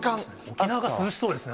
沖縄が涼しそうですね。